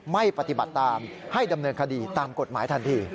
ไม่ปฏิบัติตามให้ดำเนินคดีตามกฎหมายทันที